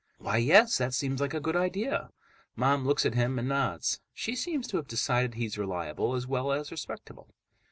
"Why, yes, that seems like a good idea." Mom looks at him and nods. She seems to have decided he's reliable, as well as respectable.